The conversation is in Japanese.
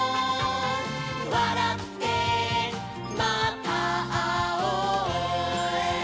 「わらってまたあおう」